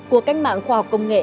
của cách mạng khoa học công nghệ